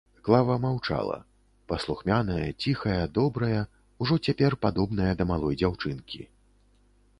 Клава маўчала, паслухмяная, ціхая, добрая, ужо цяпер падобная да малой дзяўчынкі.